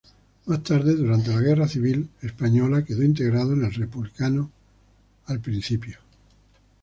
Más tarde, durante la Guerra Civil Española quedó integrado en el republicano al principio.